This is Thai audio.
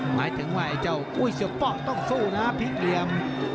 หมายถึงว่าเจ้าอุ่ยเสี่ยวป้อต้องสู้นะภีร์เหลี่ยม